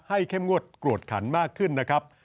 เข้มงวดกรวดขันมากขึ้นนะครับ